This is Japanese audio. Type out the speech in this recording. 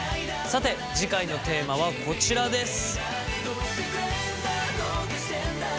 さて次回のテーマはこちらです。